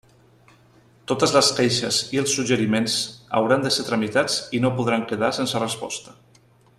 Totes les queixes i els suggeriments hauran de ser tramitats i no podran quedar sense resposta.